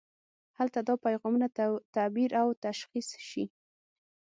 هلته دا پیغامونه تعبیر او تشخیص شي.